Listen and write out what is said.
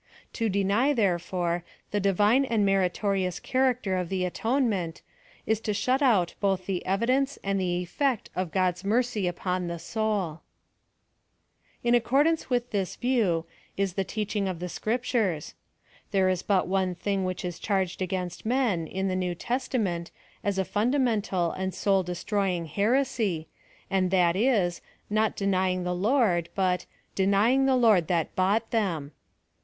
To deny, therefore, the di vi le and meritorious character of the atonement, is to shut out both the evidence and the effect of God's mercy from the soul. PLAN OF SALVATION. 191 In accordance with this view, is the teaching of the scriptures. There is hut one thing which is charged against men, in the New Testament, as a fundamental and soul destroying heresy^ and that is, not denying the Lord, but, " denyiiig the Lord that bought them."